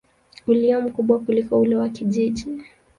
ulio mkubwa kuliko ule wa kijiji.